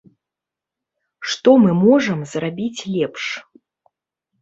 Што мы можам зрабіць лепш?